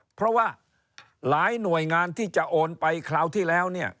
เพราะว่าหลายหน่วยงานที่จะโอนไปคราวที่แล้วเนี่ย